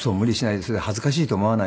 それで恥ずかしいと思わないで。